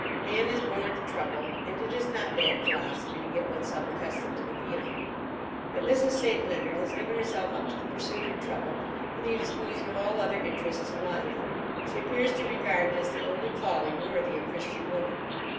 Man is born to trouble, and it is not bad philosophy to get oneself accustomed to the feeling. But Mrs. St. Leonard has given herself up to the pursuit of trouble to the exclusion of all other interests in life. She appears to regard it as the only calling worthy a Christian woman.